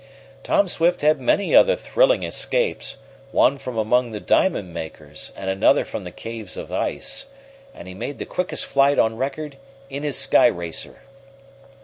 Tom Swift had many other thrilling escapes, one from among the diamond makers, and another from the caves of ice; and he made the quickest flight on record in his sky racer.